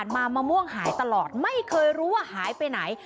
มามะม่วงหายตลอดไม่เคยรู้ว่าหายไปไหน